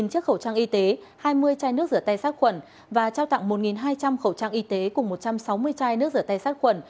một mươi chiếc khẩu trang y tế hai mươi chai nước rửa tay sát khuẩn và trao tặng một hai trăm linh khẩu trang y tế cùng một trăm sáu mươi chai nước rửa tay sát khuẩn